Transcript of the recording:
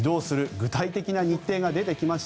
具体的な日程が出てきました。